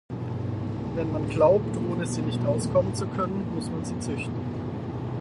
Wenn man glaubt, ohne sie nicht auskommen zu können, muss man sie züchten.